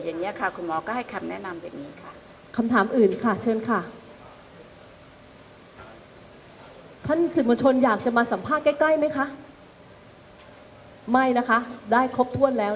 อย่างนี้ค่ะคุณหมอก็ให้คำแนะนำแบบนี้ค่ะ